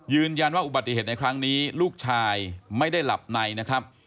อุบัติเหตุในครั้งนี้ลูกชายไม่ได้หลับในนะครับ